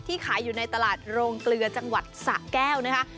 ขายอยู่ในตลาดโรงเกลือจังหวัดสะแก้วนะคะ